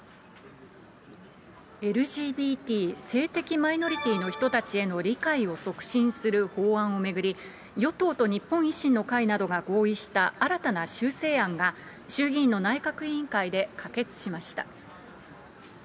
ＬＧＢＴ・性的マイノリティーの人たちへの理解を促進する法案を巡り、与党と日本維新の会などが合意した新たな修正案が、衆議院の内閣委員会で可決しました。